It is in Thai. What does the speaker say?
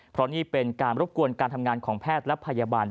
เพราะนี่เป็นการรบกวนการทำงานของแพทย์และพยาบาล